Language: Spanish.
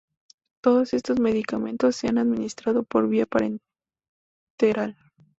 Todos estos medicamentos se han administrado por vía parenteral.